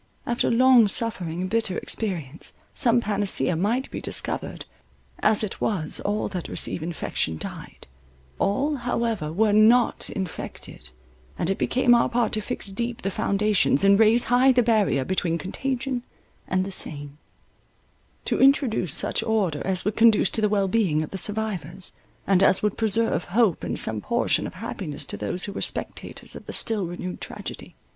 After long suffering and bitter experience, some panacea might be discovered; as it was, all that received infection died— all however were not infected; and it became our part to fix deep the foundations, and raise high the barrier between contagion and the sane; to introduce such order as would conduce to the well being of the survivors, and as would preserve hope and some portion of happiness to those who were spectators of the still renewed tragedy.